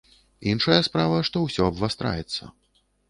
Іншая справа, што усё абвастраецца.